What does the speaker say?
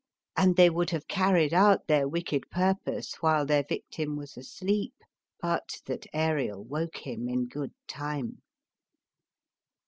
And they would have carried out their wicked purpose while their victim was asleep, but that Ariel woke him in good time.